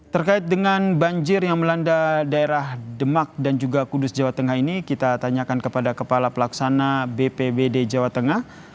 terkait dengan banjir yang melanda daerah demak dan juga kudus jawa tengah ini kita tanyakan kepada kepala pelaksana bpbd jawa tengah